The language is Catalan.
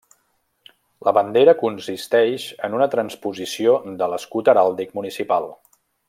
La bandera consisteix en una transposició de l'escut heràldic municipal.